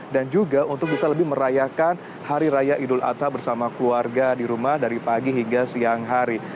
dan juga untuk bisa lebih merayakan hari raya idul adha bersama keluarga di rumah dari pagi hingga siang hari